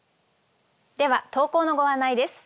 では投稿のご案内です。